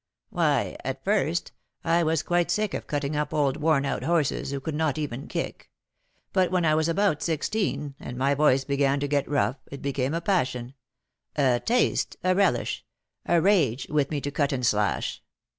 "Why, at first, I was quite sick of cutting up old worn out horses, who could not even kick; but when I was about sixteen, and my voice began to get rough, it became a passion a taste a relish a rage with me to cut and slash.